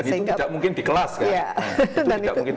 dan itu tidak mungkin di kelas kan